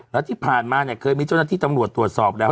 แล้วที่ผ่านมาเนี่ยเคยมีเจ้าหน้าที่ตำรวจตรวจสอบแล้ว